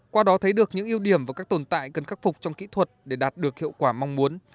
qua đó thấy được những ưu điểm và các tồn tại cần khắc phục trong kỹ thuật để đạt được hiệu quả mong muốn